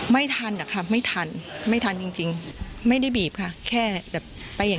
ไม่ทันอะค่ะไม่ทันไม่ทันจริงจริงไม่ได้บีบค่ะแค่แบบไปอย่าง